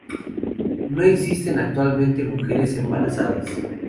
No existen actualmente mujeres embarazadas.